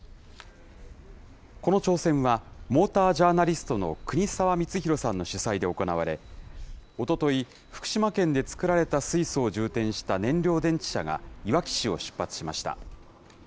この挑戦はモータージャーナリストの国沢光宏さんの主催で行われ、おととい、福島県で作られた水素を充填した燃料電池車がいわき市を出発しました。